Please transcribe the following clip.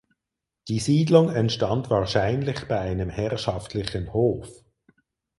Die Siedlung entstand wahrscheinlich bei einem herrschaftlichen Hof.